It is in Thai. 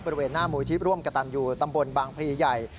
บริเวณหน้ามูลที่ร่วมกระตันอยู่ตำบลบางพลีใหญ่